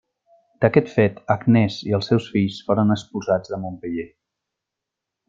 D'aquest fet, Agnès i els seus fills foren expulsats de Montpeller.